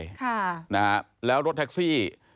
ค่ะนะฮะแล้วรถแท็กซี่